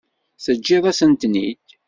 Teǧǧiḍ-asent-ten-id?